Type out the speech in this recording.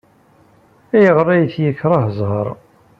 Ayɣer ay t-yekṛeh zzheṛ?